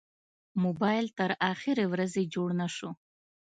موبایل تر اخرې ورځې جوړ نه شو.